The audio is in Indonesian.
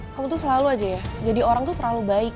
kamu tuh selalu aja ya jadi orang tuh terlalu baik